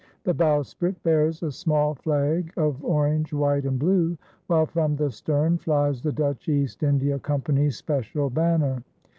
The bowsprit bears a small flag of orange, white, and blue, while from the stern flies the Dutch East India Company's special banner.